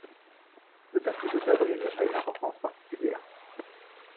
Le tapis de Tabriz a une importance particulière.